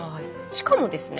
しかもですね